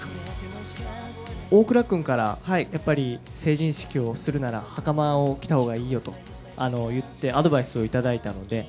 大倉君から、やっぱり成人式をするなら、はかまを着たほうがいいよと言って、アドバイスを頂いたので。